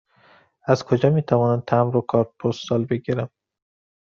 از کجا می توانم تمبر و کارت پستال بگیرم؟